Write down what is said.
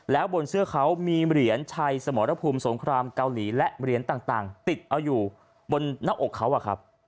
แล้วบนเสื้อเขามีเหรียญชัยสมรภูมิสงครามเกาหลีและเหรียญต่างติดเอาอยู่บนหน้าอกเขาอะครับ